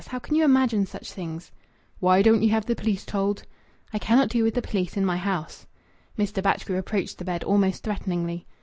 How can you imagine such things?" "Why don't ye have the police told?" "I cannot do with the police in my house." Mr. Batchgrew approached the bed almost threateningly.